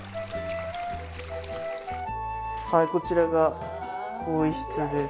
こちらが更衣室です。